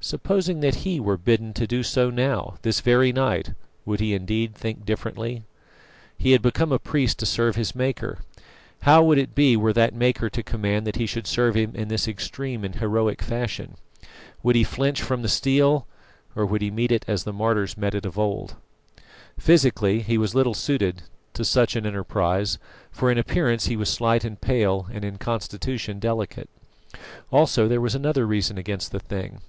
Supposing that he were bidden so to do now, this very night, would he indeed "think differently"? He had become a priest to serve his Maker. How would it be were that Maker to command that he should serve Him in this extreme and heroic fashion? Would he flinch from the steel, or would he meet it as the martyrs met it of old? Physically he was little suited to such an enterprise, for in appearance he was slight and pale, and in constitution delicate. Also, there was another reason against the thing.